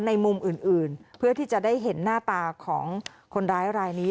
ในมุมอื่นเพื่อที่จะได้เห็นหน้าตาของคนร้ายรายนี้